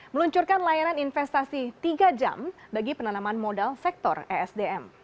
meluncurkan layanan investasi tiga jam bagi penanaman modal sektor esdm